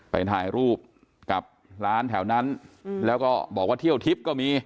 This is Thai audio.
ไปถ่ายรูปกับร้านแถวนั้นแล้วก็บอกว่าเที่ยวทิพย์ก็มี